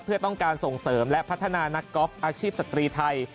เพื่อต้องการส่งเสริมและพัฒนานักกอล์ฟอาชีพสตรีไทย